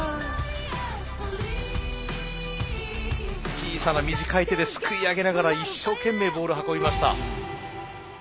小さな短い手ですくい上げながら一生懸命ボール運びました。